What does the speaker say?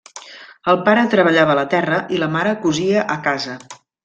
El pare treballava la terra i la mare cosia a casa.